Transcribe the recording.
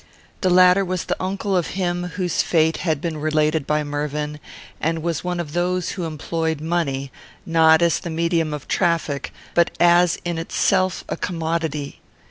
The latter was the uncle of him whose fate had been related by Mervyn, and was one of those who employed money, not as the medium of traffic, but as in itself a commodity.